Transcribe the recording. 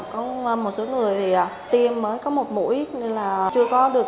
có một số người thì tiêm mới có một mũi nên là chưa được tiêm